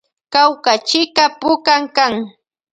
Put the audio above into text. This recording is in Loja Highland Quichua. Kawkachika puka kan.